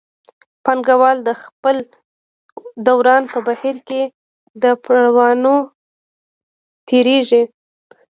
پانګوال د خپل دوران په بهیر کې له پړاوونو تېرېږي